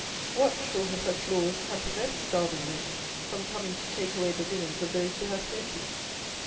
What, short of such laws, can prevent starving men from coming to take away the dinners of those who have plenty?